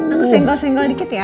aku senggol senggol dikit ya